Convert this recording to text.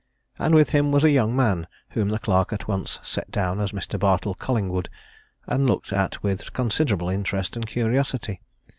And with him was a young man whom the clerk at once set down as Mr. Bartle Collingwood, and looked at with considerable interest and curiosity.